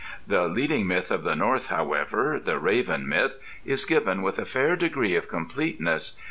The leading myth of the North, however, the Raven Myth, is given with a fair degree of completeness.